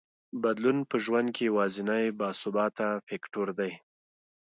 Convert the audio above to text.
بدلون په ژوند کې یوازینی باثباته فکټور دی.